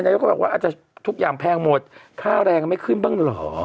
ก็บอกว่าอาจจะทุกอย่างแพงหมดค่าแรงไม่ขึ้นบ้างเหรอ